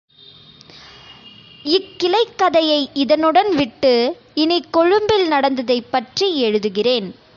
இக் கிளைக்கதையை இதனுடன் விட்டு, இனிக் கொழும்பில் நடந்ததைப்பற்றி எழுதுகிறேன்.